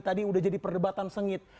tadi udah jadi perdebatan sengit